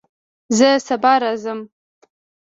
زه سبا راځم